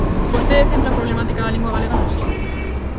Vostede centra a problemática da lingua galega no ensino.